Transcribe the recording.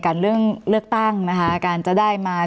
เรื่องเลือกตั้งนะคะการจะได้มา